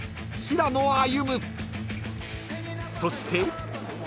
［そして］